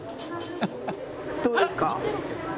どうですか？